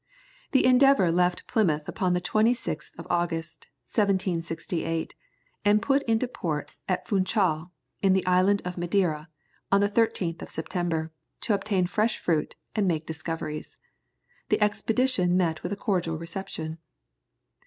The Endeavour left Plymouth upon the 26th of August, 1768, and put into port at Funchal, in the island of Madeira, on the 13th of September, to obtain fresh fruit and make discoveries. The expedition met with a cordial reception.